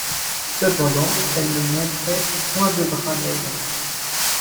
Cependant elle ne montrait point de bras maigres.